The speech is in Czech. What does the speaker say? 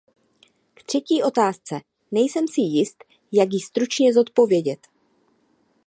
K třetí otázce, nejsem si jist, jak ji stručně zodpovědět.